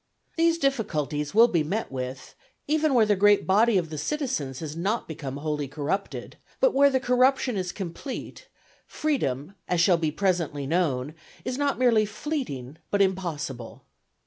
These difficulties will be met with, even where the great body of the citizens has not become wholly corrupted; but where the corruption is complete, freedom, as shall presently be shown, is not merely fleeting but impossible.